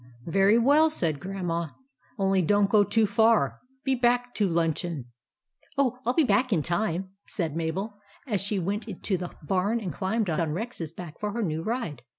" Very well," said Grandma, " only don't go too far. Be back to luncheon." " Oh, I '11 be back in time," said Mabel, as she went to the barn and climbed on Rex's back for her new ride.